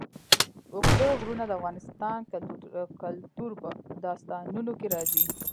اوږده غرونه د افغان کلتور په داستانونو کې راځي.